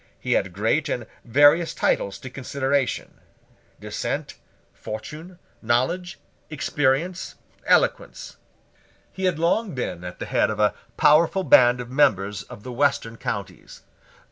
He had great and various titles to consideration; descent, fortune, knowledge, experience, eloquence. He had long been at the head of a powerful band of members from the Western counties.